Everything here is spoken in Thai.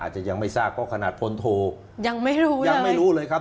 อาจจะยังไม่ทราบเพราะขนาดพนโทยังไม่รู้เลยครับ